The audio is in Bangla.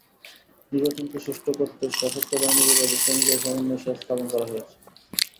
নির্বাচনকে সুষ্ঠু করতে সশস্ত্র বাহিনী বিভাগে কেন্দ্রীয় সমন্বয় সেল স্থাপন করা হয়েছে।